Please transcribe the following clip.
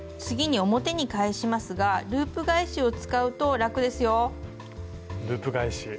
次に表に返しますがループ返しを使うと楽ですよ。